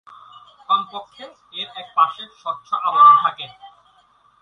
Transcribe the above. কমপক্ষে এর এক পার্শ্বে স্বচ্ছ আবরণ থাকে।